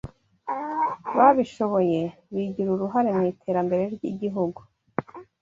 babishoboye bigira uruhare mu iterambere ry'igihugu